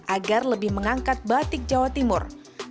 agar lebih mengangkat batik jawa timur